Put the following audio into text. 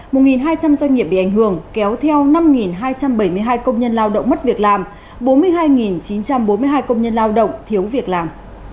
một hai trăm linh doanh nghiệp bị ảnh hưởng kéo theo năm hai trăm bảy mươi hai công nhân lao động mất việc làm bốn mươi hai chín trăm bốn mươi hai công nhân lao động thiếu việc làm